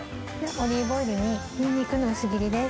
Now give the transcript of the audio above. オリーブオイルにニンニクの薄切りです。